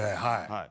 はい。